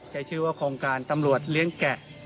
ใช้ชื่อว่าโครงการตำรวจเลี้ยงแกะ